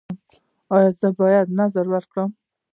ایا زه باید نذر ورکړم؟